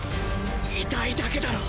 痛いだけだろ！